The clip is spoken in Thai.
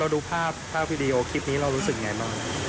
ดูภาพภาพวิดีโอคลิปนี้เรารู้สึกไงบ้าง